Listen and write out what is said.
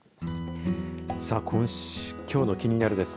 さあ、きょうのキニナル！です